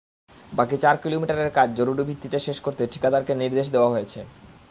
বাকি চার কিলোমিটারের কাজ জরুরি ভিত্তিতে শেষ করতে ঠিকাদারকে নির্দেশ দেওয়া হয়েছে।